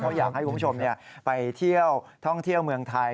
เพราะอยากให้คุณผู้ชมไปเที่ยวท่องเที่ยวเมืองไทย